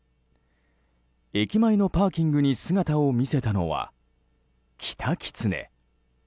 駅前のパーキングに姿を見せたのはキタキツネ。